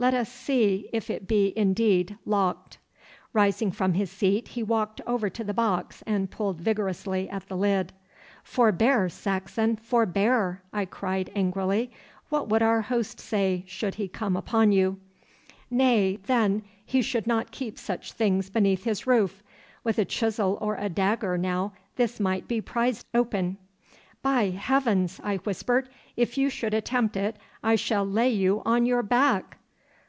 Let us see if it be indeed locked.' Rising from his seat he walked over to the box and pulled vigorously at the lid. 'Forbear, Saxon, forbear!' I cried angrily. 'What would our host say, should he come upon you?' 'Nay, then, he should not keep such things beneath his roof. With a chisel or a dagger now, this might be prized open.' 'By Heaven!' I whispered, 'if you should attempt it I shall lay you on your back.